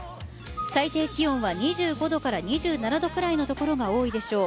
最低気温は２５度から２７度くらいの所が多いでしょう。